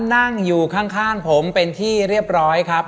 นั่งอยู่ข้างผมเป็นที่เรียบร้อยครับ